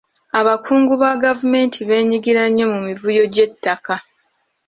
Abakungu ba gavumenti beenyigira nnyo mu mivuyo gy'ettaka.